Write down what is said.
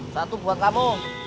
satu buat kamu